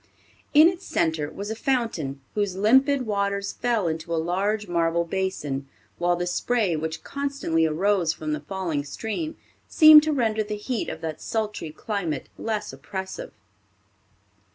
In its center was a fountain, whose limpid waters fell into a large marble basin, while the spray which constantly arose from the falling stream seemed to render the heat of that sultry climate less oppressive.